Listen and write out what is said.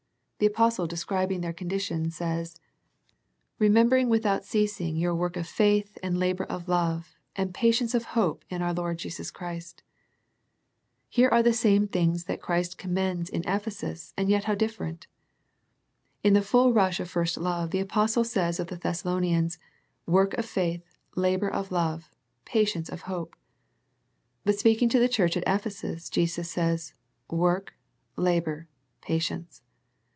The apostle describing their con dition says, " Remembering without ceasing The Ephesus Letter 45 your work of faith and labour of love and patience of hope in our Lord Jesus Christ." Here are the same things that Christ com mends in Ephesus and yet how different. In the full rush of first love the apostle says of the Thessalonians " work of faith .. labour of love ... patience of hope." But speaking to the church at Ephesus Jesus says " work ... labour ... patience."